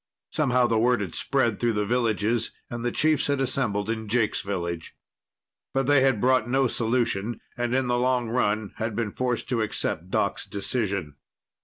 Somehow the word had spread through the villages and the chiefs had assembled in Jake's village. But they had brought no solution, and in the long run had been forced to accept Doc's decision.